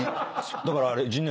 だからあれ。